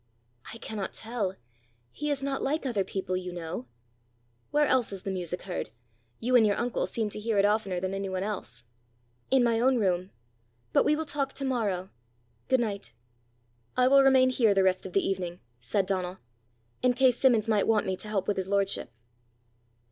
"I cannot tell. He is not like other people, you know." "Where else is the music heard? You and your uncle seem to hear it oftener than anyone else." "In my own room. But we will talk to morrow. Good night." "I will remain here the rest of the evening," said Donal, "in case Simmons might want me to help with his lordship."